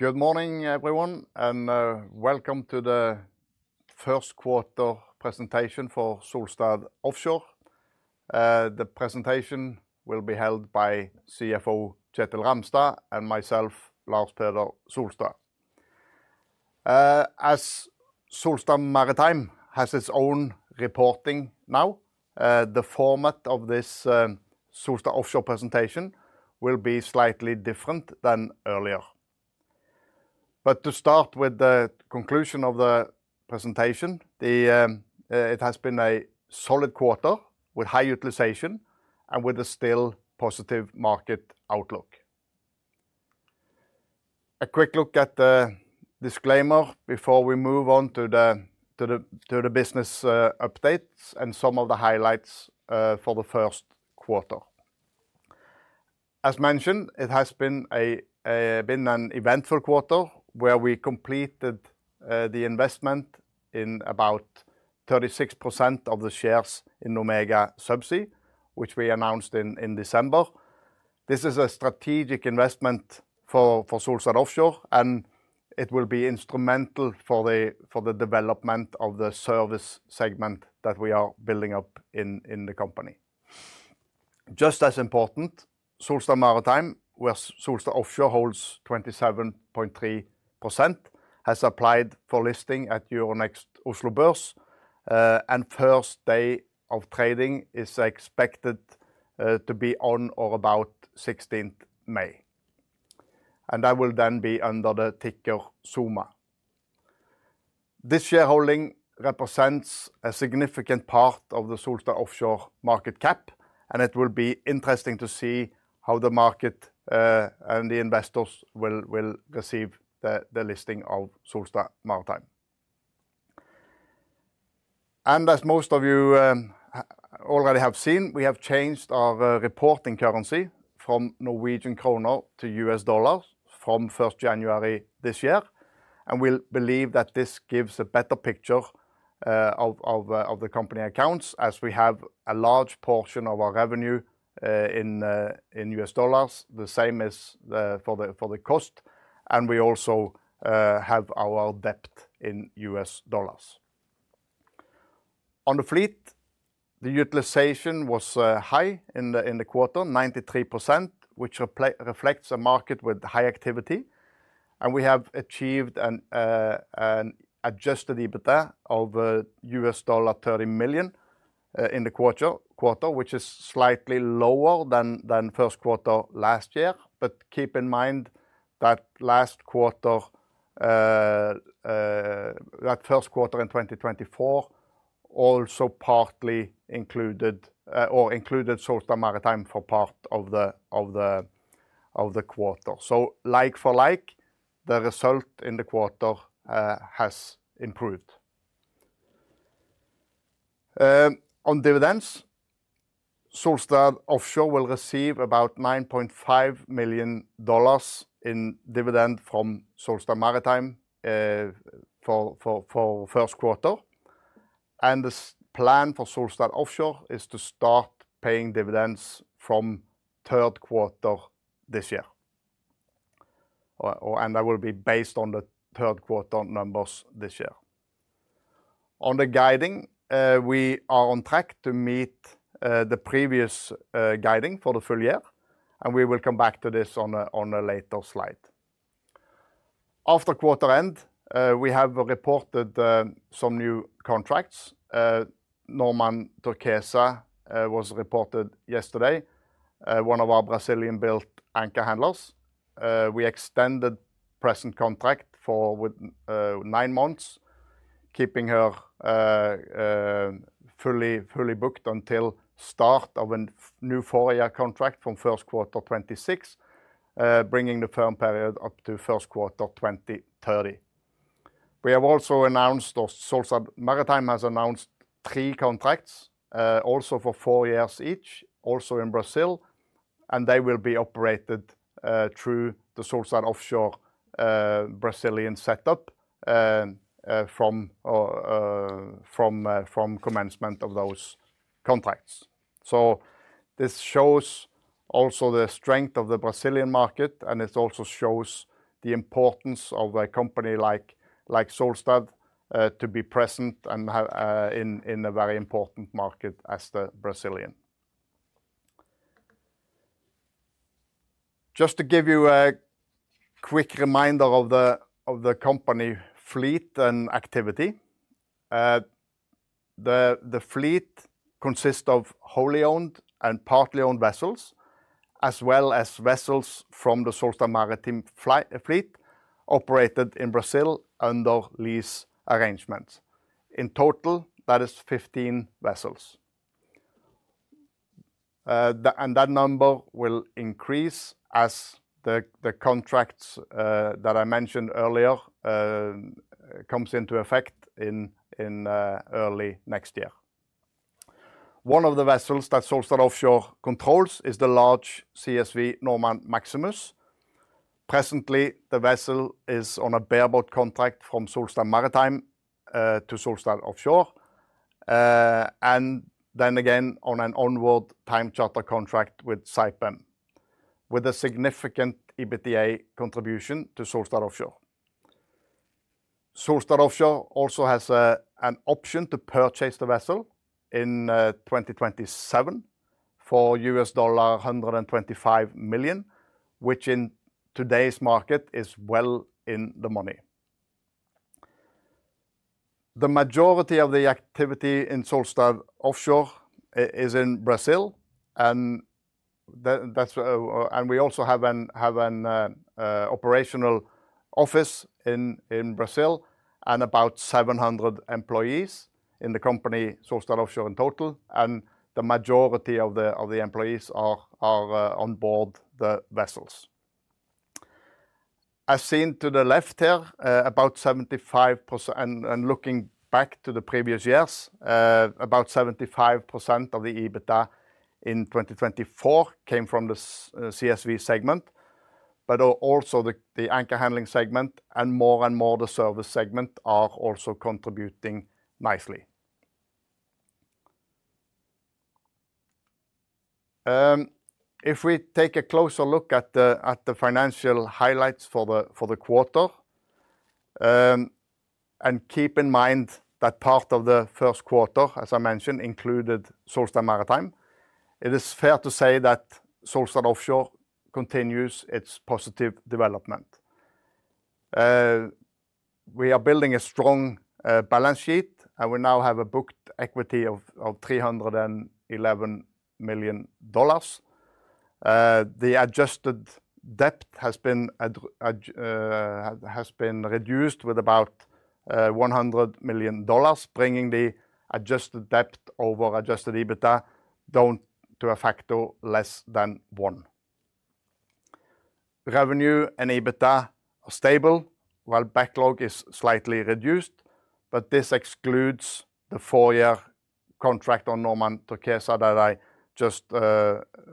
Good morning, everyone, and welcome to the first quarter presentation for Solstad Offshore. The presentation will be held by CFO Kjetil Ramstad and myself, Lars Peder Solstad. As Solstad Maritime has its own reporting now, the format of this Solstad Offshore presentation will be slightly different than earlier. To start with the conclusion of the presentation, it has been a solid quarter with high utilization and with a still positive market outlook. A quick look at the disclaimer before we move on to the business updates and some of the highlights for the first quarter. As mentioned, it has been an eventful quarter where we completed the investment in about 36% of the shares in Omega Subsea, which we announced in December. This is a strategic investment for Solstad Offshore, and it will be instrumental for the development of the service segment that we are building up in the company. Just as important, Solstad Maritime, where Solstad Offshore holds 27.3%, has applied for listing at Euronext Oslo Børs, and first day of trading is expected to be on or about 16th May. That will then be under the ticker SOMA. This shareholding represents a significant part of the Solstad Offshore market cap, and it will be interesting to see how the market and the investors will receive the listing of Solstad Maritime. As most of you already have seen, we have changed our reporting currency from Norwegian kroner to US dollars from January 1 this year, and we believe that this gives a better picture of the company accounts as we have a large portion of our revenue in US dollars, the same as for the cost, and we also have our debt in US dollars. On the fleet, the utilization was high in the quarter, 93%, which reflects a market with high activity, and we have achieved an adjusted EBITDA of $30 million in the quarter, which is slightly lower than first quarter last year. Keep in mind that first quarter in 2024 also partly included Solstad Maritime for part of the quarter. Like for like, the result in the quarter has improved. On dividends, Solstad Offshore will receive about $9.5 million in dividend from Solstad Maritime for first quarter, and the plan for Solstad Offshore is to start paying dividends from third quarter this year, and that will be based on the third quarter numbers this year. On the guiding, we are on track to meet the previous guiding for the full year, and we will come back to this on a later slide. After quarter end, we have reported some new contracts. Normand Turquesa was reported yesterday, one of our Brazilian-built anchor handlers. We extended present contract for nine months, keeping her fully booked until start of a new four-year contract from first quarter 2026, bringing the firm period up to first quarter 2030. We have also announced, or Solstad Maritime has announced, three contracts, also for four years each, also in Brazil, and they will be operated through the Solstad Offshore Brazilian setup from commencement of those contracts. This shows also the strength of the Brazilian market, and it also shows the importance of a company like Solstad to be present and in a very important market as the Brazilian. Just to give you a quick reminder of the company fleet and activity, the fleet consists of wholly owned and partly owned vessels, as well as vessels from the Solstad Maritime fleet operated in Brazil under lease arrangements. In total, that is 15 vessels. That number will increase as the contracts that I mentioned earlier come into effect in early next year. One of the vessels that Solstad Offshore controls is the large CSV Normand Maximus. Presently, the vessel is on a bareboat contract from Solstad Maritime to Solstad Offshore, and then again on an onward time charter contract with Saipem, with a significant EBITDA contribution to Solstad Offshore. Solstad Offshore also has an option to purchase the vessel in 2027 for $125 million, which in today's market is well in the money. The majority of the activity in Solstad Offshore is in Brazil, and we also have an operational office in Brazil and about 700 employees in the company Solstad Offshore in total, and the majority of the employees are on board the vessels. As seen to the left here, about 75%, and looking back to the previous years, about 75% of the EBITDA in 2024 came from the CSV segment, but also the anchor handling segment and more and more the service segment are also contributing nicely. If we take a closer look at the financial highlights for the quarter, and keep in mind that part of the first quarter, as I mentioned, included Solstad Maritime, it is fair to say that Solstad Offshore continues its positive development. We are building a strong balance sheet, and we now have a booked equity of $311 million. The adjusted debt has been reduced with about $100 million, bringing the adjusted debt over adjusted EBITDA down to a factor less than one. Revenue and EBITDA are stable while backlog is slightly reduced, but this excludes the four-year contract on Normand Turquesa that I just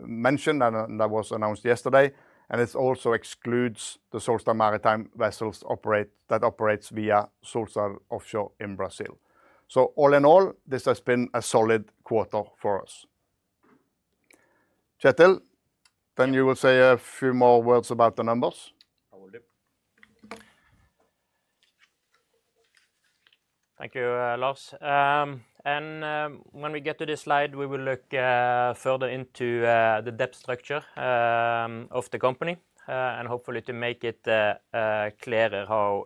mentioned, and that was announced yesterday, and it also excludes the Solstad Maritime vessels that operate via Solstad Offshore in Brazil. All in all, this has been a solid quarter for us. Kjetil, then you will say a few more words about the numbers. I will do. Thank you, Lars. When we get to this slide, we will look further into the debt structure of the company and hopefully make it clearer how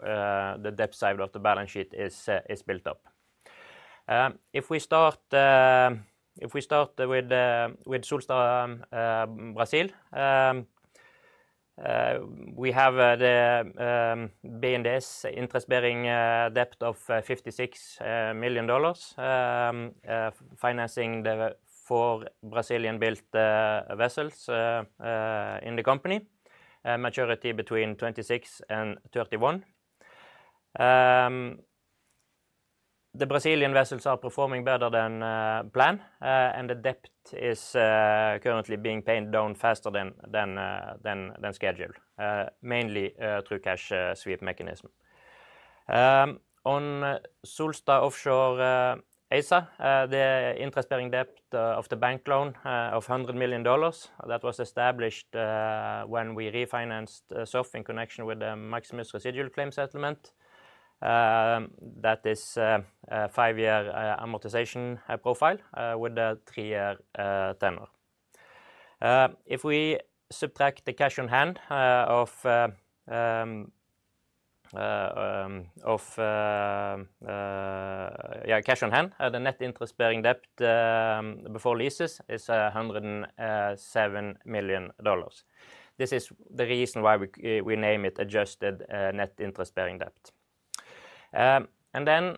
the debt side of the balance sheet is built up. If we start with Solstad Brazil, we have the BNDES interest-bearing debt of $56 million financing the four Brazilian-built vessels in the company, a majority between 26 and 31. The Brazilian vessels are performing better than planned, and the debt is currently being paid down faster than scheduled, mainly through cash sweep mechanism. On Solstad Offshore ASA, the interest-bearing debt of the bank loan of $100 million that was established when we refinanced SURF in connection with the Maximus Residual Claim settlement, that is a five-year amortization profile with a three-year tenor. If we subtract the cash on hand, the net interest-bearing debt before leases is $107 million. This is the reason why we name it adjusted net interest-bearing debt. It is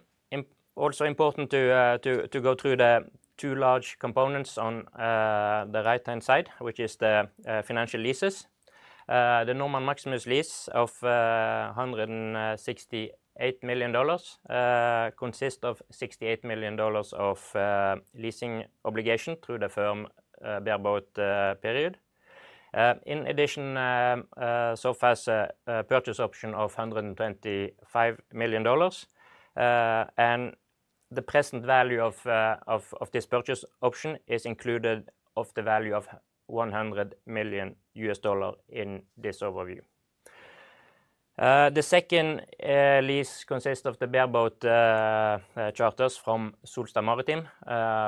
also important to go through the two large components on the right-hand side, which are the financial leases. The Normand Maximus lease of $168 million consists of $68 million of leasing obligation through the firm bareboat period. In addition, so far a purchase option of $125 million, and the present value of this purchase option is included at the value of $100 million in this overview. The second lease consists of the bareboat charters from Solstad Maritime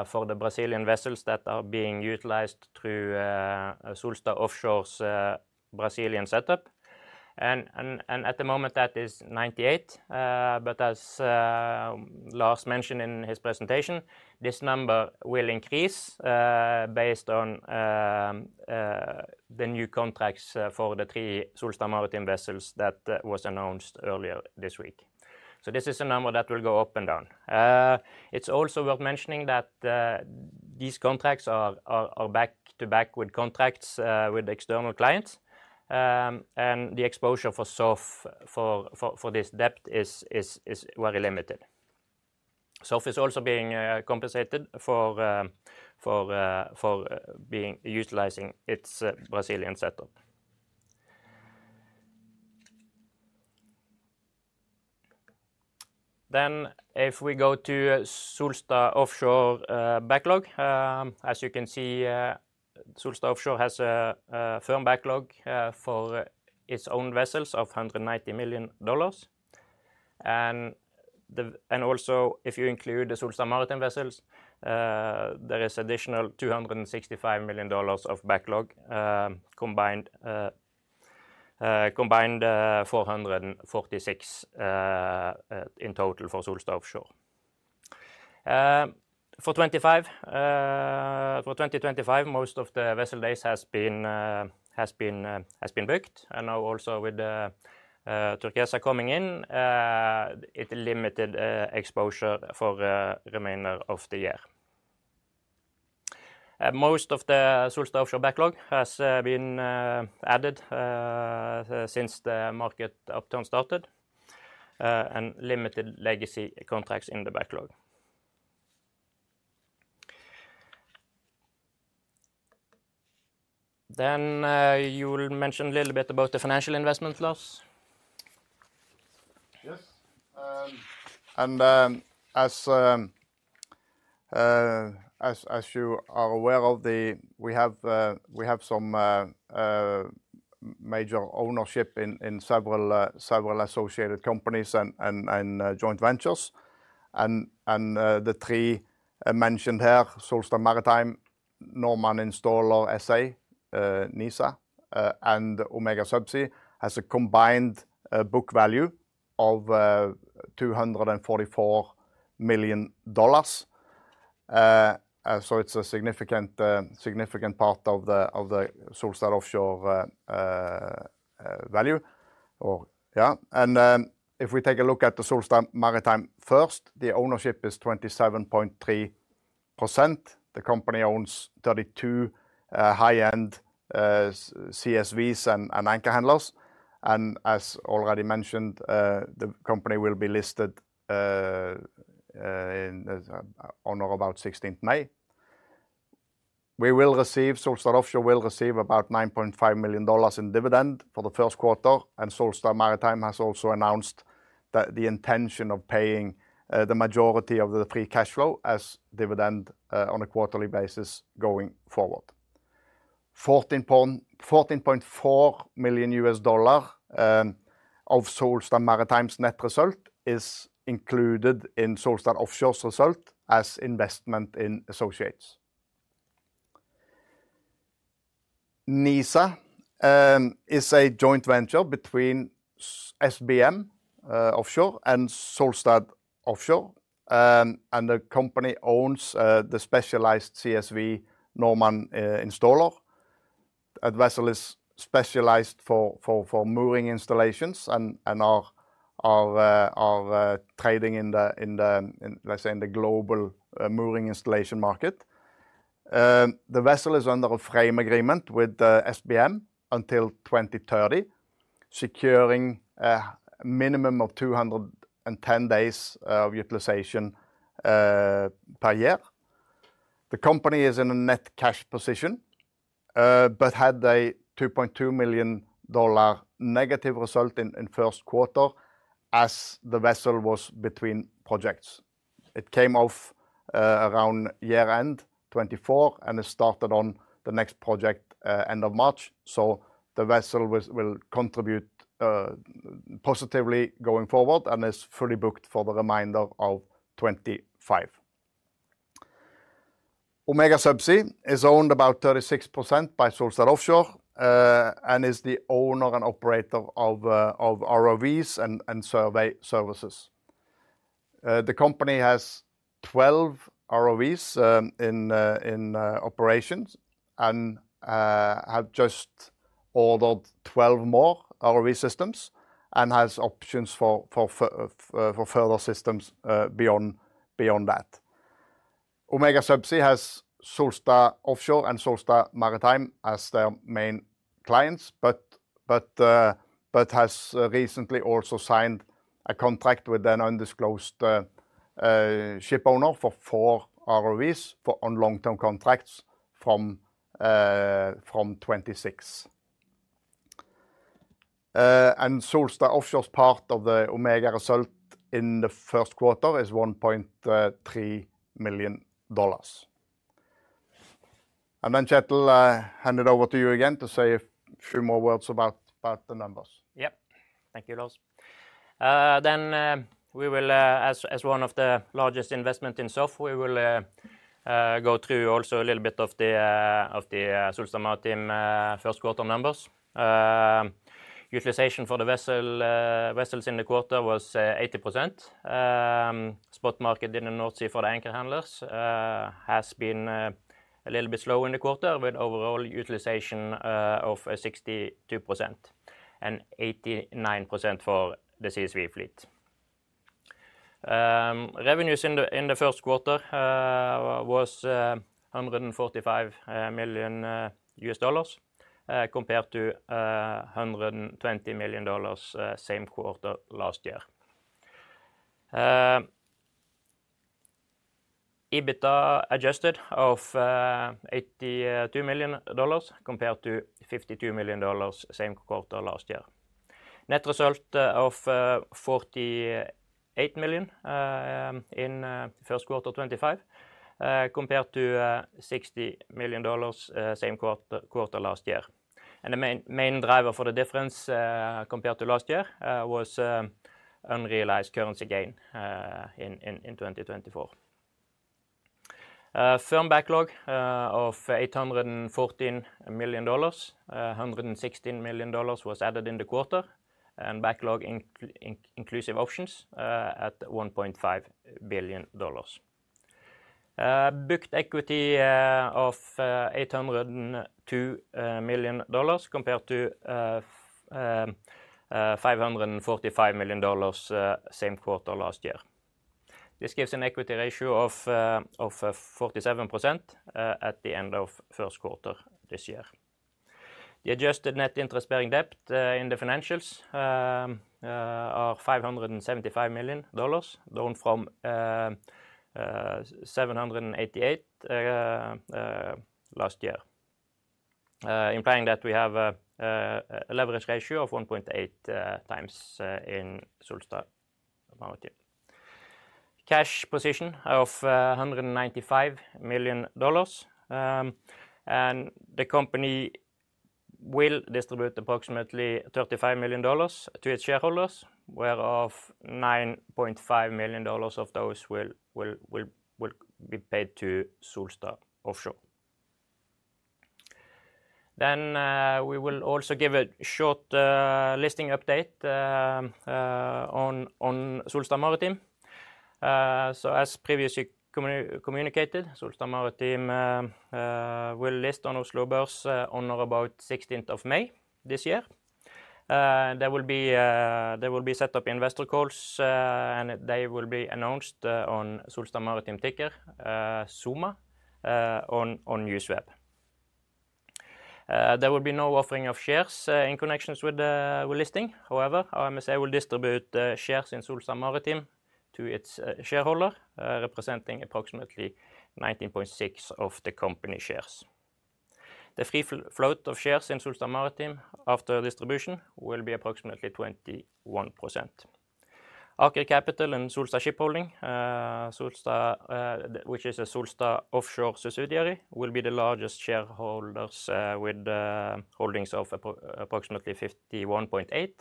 for the Brazilian vessels that are being utilized through Solstad Offshore's Brazilian setup. At the moment that is 98, but as Lars mentioned in his presentation, this number will increase based on the new contracts for the three Solstad Maritime vessels that were announced earlier this week. This is a number that will go up and down. It's also worth mentioning that these contracts are back to back with contracts with external clients, and the exposure for SOF for this debt is very limited. SOF is also being compensated for utilizing its Brazilian setup. If we go to Solstad Offshore backlog, as you can see, Solstad Offshore has a firm backlog for its own vessels of $190 million. Also, if you include the Solstad Maritime vessels, there is an additional $265 million of backlog, combined $446 million in total for Solstad Offshore. For 2025, most of the vessel days have been booked, and now also with Turquesa coming in, it limited exposure for the remainder of the year. Most of the Solstad Offshore backlog has been added since the market upturn started, and limited legacy contracts in the backlog. You will mention a little bit about the financial investments, Lars. Yes. As you are aware of, we have some major ownership in several associated companies and joint ventures. The three mentioned here, Solstad Maritime, Normand Installer SA, NISA, and Omega Subsea, have a combined book value of $244 million. It is a significant part of the Solstad Offshore value. If we take a look at Solstad Maritime first, the ownership is 27.3%. The company owns 32 high-end CSVs and anchor handlers. As already mentioned, the company will be listed on or about 16th May. Solstad Offshore will receive about $9.5 million in dividend for the first quarter, and Solstad Maritime has also announced the intention of paying the majority of the free cash flow as dividend on a quarterly basis going forward. $14.4 million of Solstad Maritime's net result is included in Solstad Offshore's result as investment in associates. NISA is a joint venture between SBM Offshore and Solstad Offshore, and the company owns the specialized CSV Normand Installer. That vessel is specialized for mooring installations and is trading in the global mooring installation market. The vessel is under a frame agreement with SBM until 2030, securing a minimum of 210 days of utilization per year. The company is in a net cash position, but had a $2.2 million negative result in first quarter as the vessel was between projects. It came off around year-end 2024, and it started on the next project end of March. The vessel will contribute positively going forward and is fully booked for the remainder of 2025. Omega Subsea is owned about 36% by Solstad Offshore and is the owner and operator of ROVs and survey services. The company has 12 ROVs in operation and has just ordered 12 more ROV systems and has options for further systems beyond that. Omega Subsea has Solstad Offshore and Solstad Maritime as their main clients, but has recently also signed a contract with an undisclosed ship owner for four ROVs on long-term contracts from 2026. Solstad Offshore's part of the Omega result in the first quarter is $1.3 million. Kjetil, hand it over to you again to say a few more words about the numbers. Yep. Thank you, Lars. As one of the largest investments in SOF, we will go through also a little bit of the Solstad Maritime first quarter numbers. Utilization for the vessels in the quarter was 80%. Spot market in the North Sea for the anchor handlers has been a little bit slow in the quarter with overall utilization of 62% and 89% for the CSV fleet. Revenues in the first quarter was $145 million compared to $120 million same quarter last year. Adjusted EBITDA of $82 million compared to $52 million same quarter last year. Net result of $48 million in first quarter 2025 compared to $60 million same quarter last year. The main driver for the difference compared to last year was unrealized currency gain in 2024. Firm backlog of $814 million, $116 million was added in the quarter and backlog inclusive options at $1.5 billion. Booked equity of $802 million compared to $545 million same quarter last year. This gives an equity ratio of 47% at the end of first quarter this year. The adjusted net interest-bearing debt in the financials are $575 million down from $788 million last year, implying that we have a leverage ratio of 1.8 times in Solstad Maritime. Cash position of $195 million, and the company will distribute approximately $35 million to its shareholders, whereof $9.5 million of those will be paid to Solstad Offshore. We will also give a short listing update on Solstad Maritime. As previously communicated, Solstad Maritime will list on Euronext Oslo Børs on or about 16th of May this year. There will be set up investor calls, and they will be announced on Solstad Maritime ticker SUMA on Newsweb. There will be no offering of shares in connection with the listing. However, IMSA will distribute shares in Solstad Maritime to its shareholder, representing approximately 19.6% of the company shares. The free float of shares in Solstad Maritime after distribution will be approximately 21%. Aker Capital and Solstad Ship Holding, which is a Solstad Offshore subsidiary, will be the largest shareholders with holdings of approximately 51.8%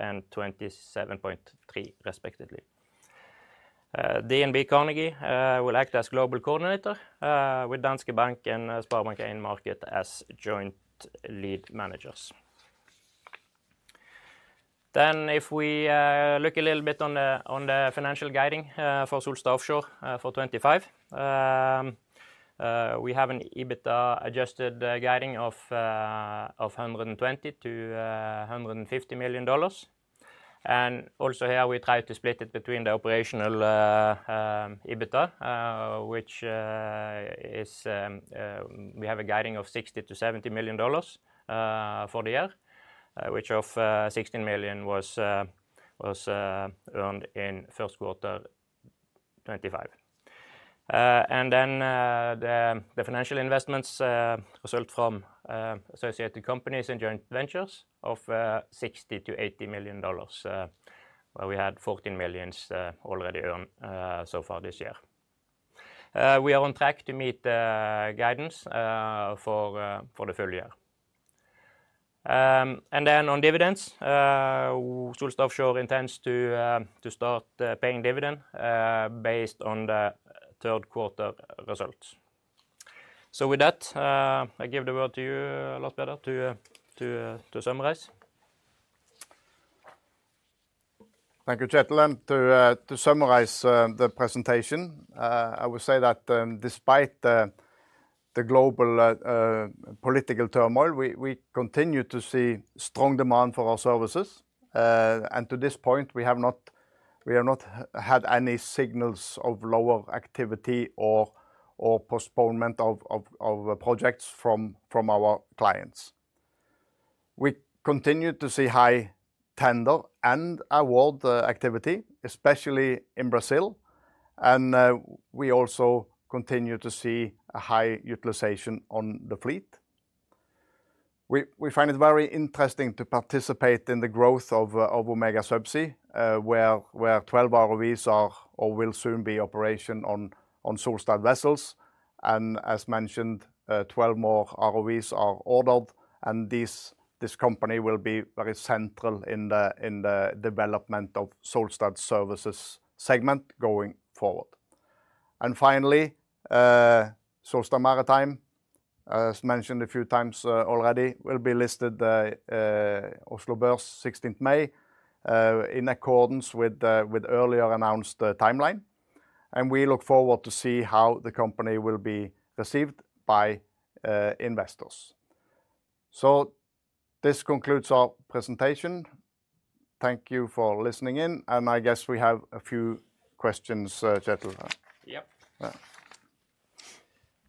and 27.3% respectively. DNB Carnegie will act as global coordinator with Danske Bank and SpareBank 1 in market as joint lead managers. If we look a little bit on the financial guiding for Solstad Offshore for 2025, we have an adjusted EBITDA guiding of $120 million-$150 million. Also here we try to split it between the operational EBITDA, which is we have a guiding of $60 million-$70 million for the year, of which $16 million was earned in first quarter 2025. Then the financial investments result from associated companies and joint ventures of $60 million-$80 million, where we had $14 million already earned so far this year. We are on track to meet guidance for the full year. On dividends, Solstad Offshore intends to start paying dividend based on the third quarter results. With that, I give the word to you, Lars Peder, to summarize. Thank you, Kjetil. To summarize the presentation, I would say that despite the global political turmoil, we continue to see strong demand for our services. To this point, we have not had any signals of lower activity or postponement of projects from our clients. We continue to see high tender and award activity, especially in Brazil. We also continue to see a high utilization on the fleet. We find it very interesting to participate in the growth of Omega Subsea, where 12 ROVs are or will soon be operational on Solstad vessels. As mentioned, 12 more ROVs are ordered. This company will be very central in the development of Solstad services segment going forward. Finally, Solstad Maritime, as mentioned a few times already, will be listed at Oslo Børs on 16th May in accordance with the earlier announced timeline. We look forward to see how the company will be received by investors. This concludes our presentation. Thank you for listening in. I guess we have a few questions, Kjetil. Yep.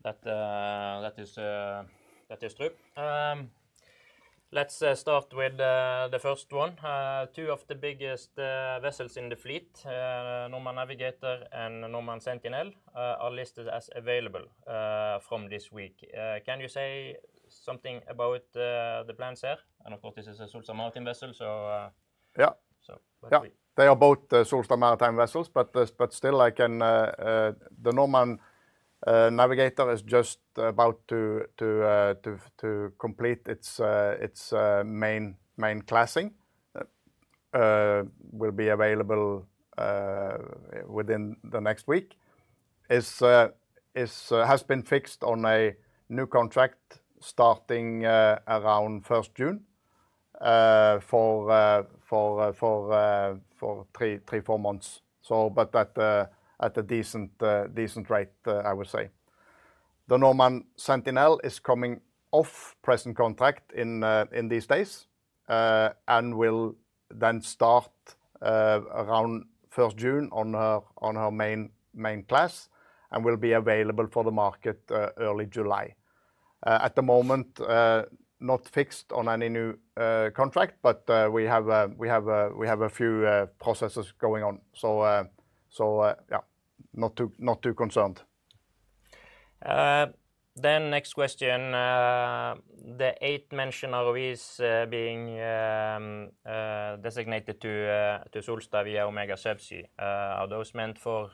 That is true. Let's start with the first one. Two of the biggest vessels in the fleet, Normand Navigator and Normand Sentinel, are listed as available from this week. Can you say something about the plans here? Of course, this is a Solstad Maritime vessel, so. Yeah. They are both Solstad Maritime vessels, but still, the Normand Navigator is just about to complete its main classing. Will be available within the next week. Has been fixed on a new contract starting around 1st June for three-four months. At a decent rate, I would say. The Normand Sentinel is coming off present contract in these days and will then start around 1st June on her main class and will be available for the market early July. At the moment, not fixed on any new contract, but we have a few processes going on. Yeah, not too concerned. The next question. The eight mentioned ROVs being designated to Solstad via Omega Subsea, are those meant for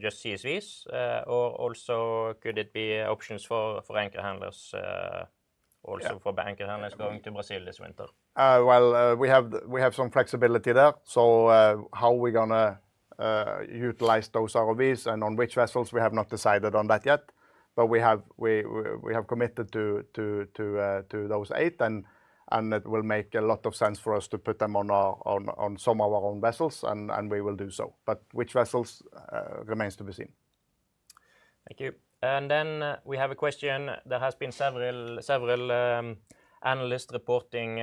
just CSVs? Or also could it be options for anchor handlers, also for anchor handlers going to Brazil this winter? We have some flexibility there. How are we going to utilize those ROVs and on which vessels. We have not decided on that yet. We have committed to those eight, and it will make a lot of sense for us to put them on some of our own vessels, and we will do so. Which vessels remains to be seen. Thank you. There has been several analysts reporting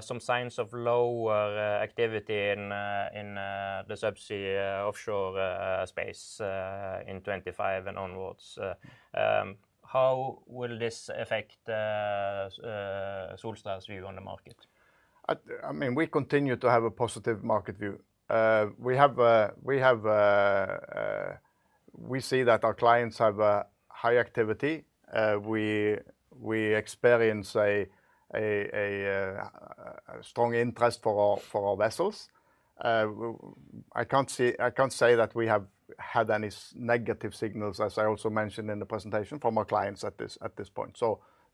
some signs of lower activity in the subsea offshore space in 2025 and onwards. How will this affect Solstad's view on the market? I mean, we continue to have a positive market view. We see that our clients have high activity. We experience a strong interest for our vessels. I can't say that we have had any negative signals, as I also mentioned in the presentation, from our clients at this point.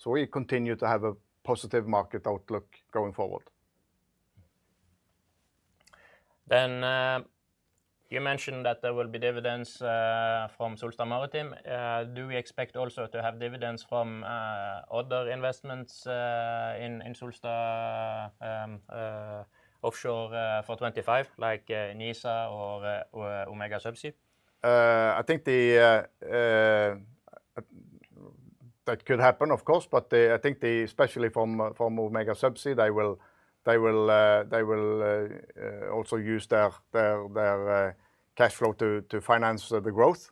We continue to have a positive market outlook going forward. You mentioned that there will be dividends from Solstad Maritime. Do we expect also to have dividends from other investments in Solstad Offshore for 2025, like NISA or Omega Subsea? I think that could happen, of course. I think especially from Omega Subsea, they will also use their cash flow to finance the growth.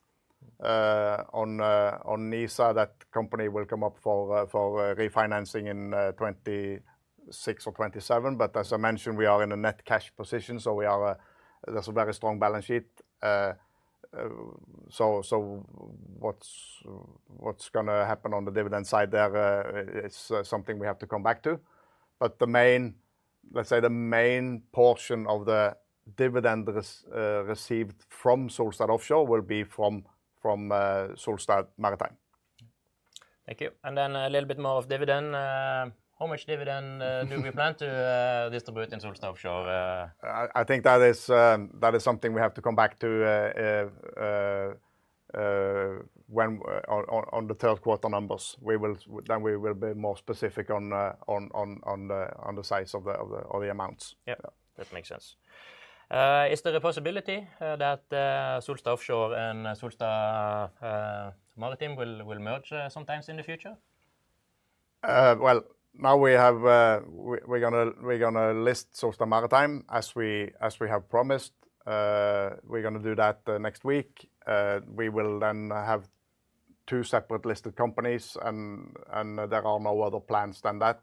On NISA, that company will come up for refinancing in 2026 or 2027. As I mentioned, we are in a net cash position, so there is a very strong balance sheet. What is going to happen on the dividend side there is something we have to come back to. Let's say the main portion of the dividend received from Solstad Offshore will be from Solstad Maritime. Thank you. And then a little bit more of dividend. How much dividend do we plan to distribute in Solstad Offshore? I think that is something we have to come back to on the third quarter numbers. Then we will be more specific on the size of the amounts. Yep. That makes sense. Is there a possibility that Solstad Offshore and Solstad Maritime will merge sometime in the future? Now we're going to list Solstad Maritime, as we have promised. We're going to do that next week. We will then have two separate listed companies, and there are no other plans than that.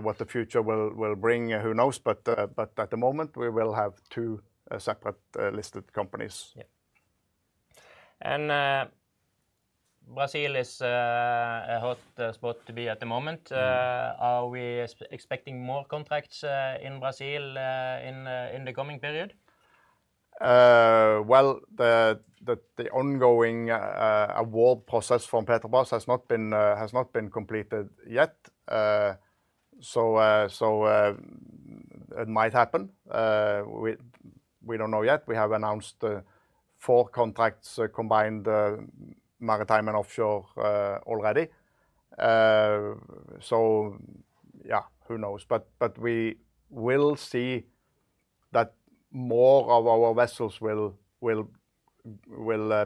What the future will bring, who knows? At the moment, we will have two separate listed companies. Yep. Brazil is a hot spot to be at the moment. Are we expecting more contracts in Brazil in the coming period? The ongoing award process from Petrobras has not been completed yet. It might happen. We do not know yet. We have announced four contracts, combined maritime and offshore already. Yeah, who knows? We will see that more of our vessels will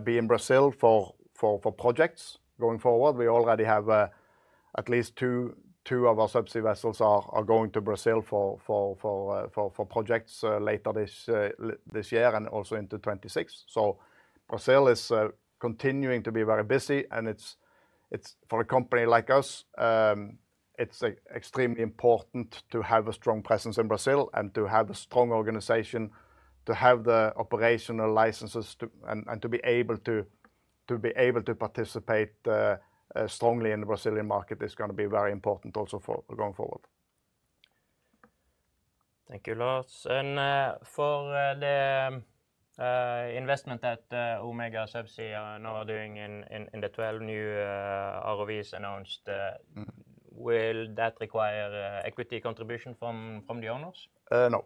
be in Brazil for projects going forward. We already have at least two of our subsea vessels going to Brazil for projects later this year and also into 2026. Brazil is continuing to be very busy. For a company like us, it is extremely important to have a strong presence in Brazil and to have a strong organization, to have the operational licenses, and to be able to participate strongly in the Brazilian market is going to be very important also going forward. Thank you, Lars. For the investment at Omega Subsea, now doing in the 12 new ROVs announced, will that require equity contribution from the owners? No.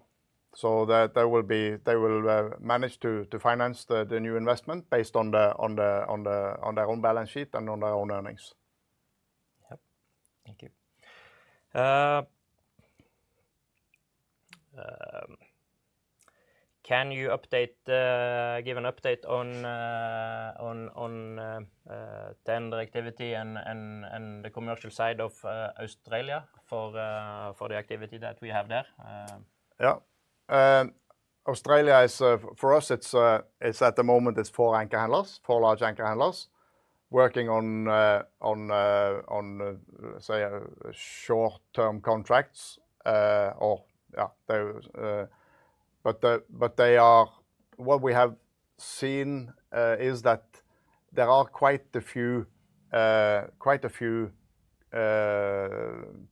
They will manage to finance the new investment based on their own balance sheet and on their own earnings. Yep. Thank you. Can you give an update on tender activity and the commercial side of Australia for the activity that we have there? Yeah. Australia is, for us, at the moment, it's four anchor handlers, four large anchor handlers, working on short-term contracts. What we have seen is that there are quite a few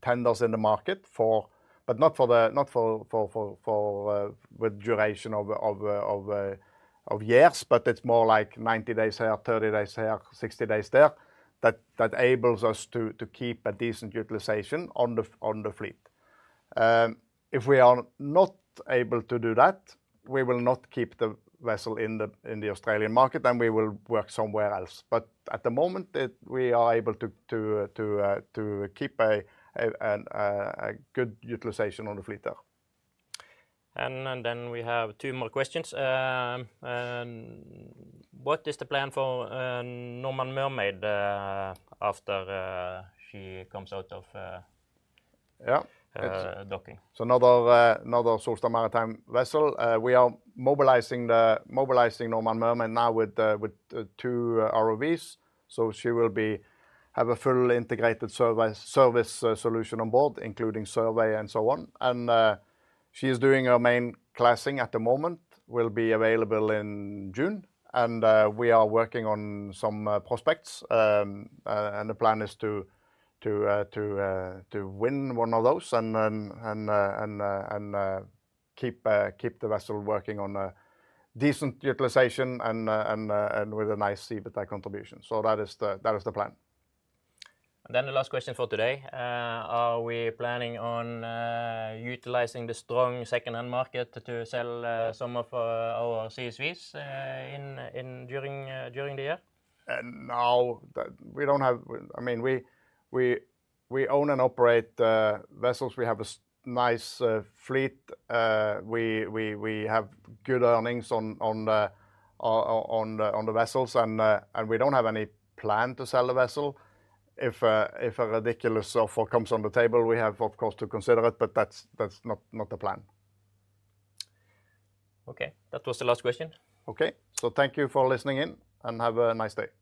tenders in the market, not for the duration of years, but it's more like 90 days here, 30 days here, 60 days there, that enables us to keep a decent utilization on the fleet. If we are not able to do that, we will not keep the vessel in the Australian market, and we will work somewhere else. At the moment, we are able to keep a good utilization on the fleet there. We have two more questions. What is the plan for Normand Mermaid after she comes out of docking? Another Solstad Maritime vessel. We are mobilizing Normand Mermaid now with two ROVs. She will have a full integrated service solution on board, including survey and so on. She is doing her main classing at the moment, will be available in June. We are working on some prospects. The plan is to win one of those and keep the vessel working on decent utilization and with a nice EBITDA contribution. That is the plan. The last question for today. Are we planning on utilizing the strong second-hand market to sell some of our CSVs during the year? Now, we don't have, I mean, we own and operate vessels. We have a nice fleet. We have good earnings on the vessels. We don't have any plan to sell the vessel. If a ridiculous offer comes on the table, we have, of course, to consider it, but that's not the plan. Okay. That was the last question. Okay. Thank you for listening in and have a nice day.